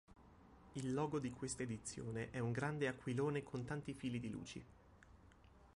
Il logo di questa edizione è un grande aquilone con tanti fili di luci.